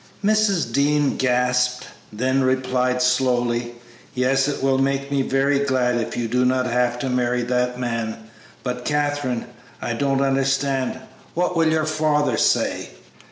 Mrs. Dean gasped, then replied, slowly, "Yes; it will make me very glad if you do not have to marry that man; but, Katherine, I don't understand; what will your father say?"